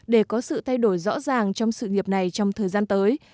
để có sự thay đổi rõ ràng trong sự nghiệp này trong thời gian tới